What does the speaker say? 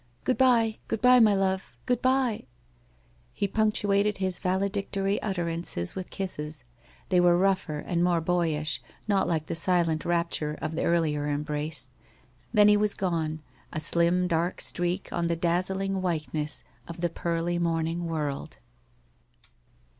Good bye! Good bye, my love! Good bye!' He punctuated his valedictory utterances with kisses. They were rougher and more boyish, not like the silent rapture of the earlier embrace. Then he was gone — a slim dark streak on the dazzling whiteness of the pearly morning world.